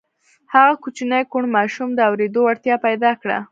هغه کوچني کوڼ ماشوم د اورېدو وړتیا پیدا کړه